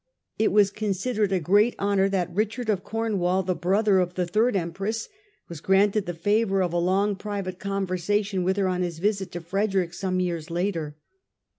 It was considered a great honour that Richard of Corn wall, the brother of the third Empress, was granted the favour of a long private conversation with her on his visit to Frederick some years later.